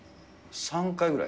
３回ぐらい？